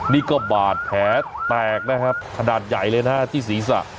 นี่ก็บาดแผลแตกนะครับขนาดใหญ่เลยนะฮะที่ศีรษะ